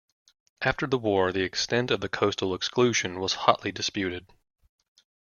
After the war the extent of the coastal exclusion was hotly disputed.